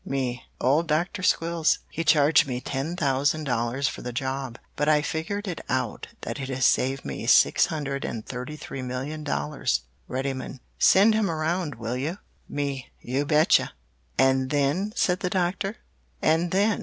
"Me Old Doctor Squills. He charged me ten thousand dollars for the job, but I figure it out that it has saved me six hundred and thirty three million dollars. "Reddymun Send him around, will you? "Me Ubetcha!" "And then?" said the Doctor. "And then?"